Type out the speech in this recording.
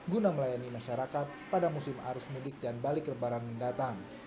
guna melayani masyarakat pada musim arus mudik dan balik lebaran mendatang